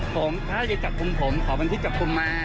ผมถ้าจะจับปุ่มผมขอบัญชีจับปุ่มมา